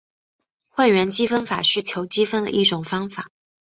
换元积分法是求积分的一种方法。